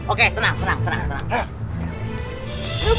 oke tenang tenang